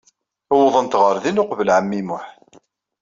Uwḍent ɣer din uqbel ɛemmi Muḥ.